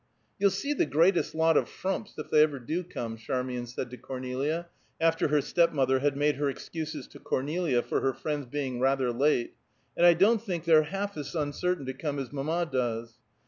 "You'll see the greatest lot of frumps, if they ever do come," Charmian said to Cornelia, after her stepmother had made her excuses to Cornelia for her friends being rather late, "and I don't think they're half as uncertain to come as mamma does.